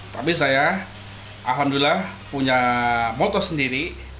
tapi saya alhamdulillah punya moto sendiri